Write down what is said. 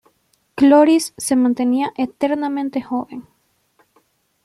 Cloris se mantenía eternamente joven.